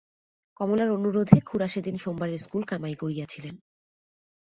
কমলার অনুরোধে খুড়া সেদিন সোমবারের স্কুল কামাই করিয়াছিলেন।